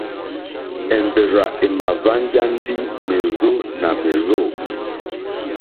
Èmbèrzà èmà hwánjá ndí mèrzó nà mèrzô.